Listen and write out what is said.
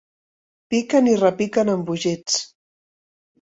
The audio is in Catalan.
Piquen i repiquen, embogits.